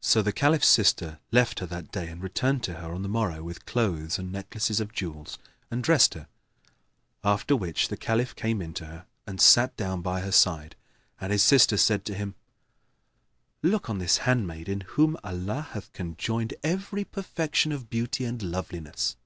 So the Caliph's sister left her that day and returned to her on the morrow with clothes and necklaces of jewels, and dressed her; after which the Caliph came in to her and sat down by her side, and his sister said to him, "Look on this handmaid in whom Allah hath conjoined every perfection of beauty and loveliness."